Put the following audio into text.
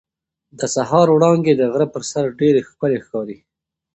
د سهار وړانګې د غره پر سر ډېرې ښکلې ښکاري.